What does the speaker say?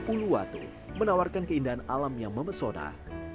uluwatu menawarkan keindahan alam yang memesona